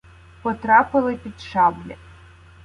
потрапили під шаблі.